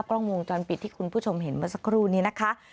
รองมุมจอนปิดที่คุณผู้ชมเห็นมาสักครู่นี้นะคะ